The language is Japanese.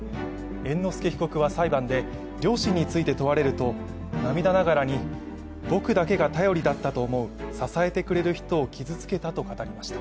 猿之助被告は裁判で両親について問われると涙ながらに僕だけが頼りだったと思う、支えてくれる人を傷つけたと語りました。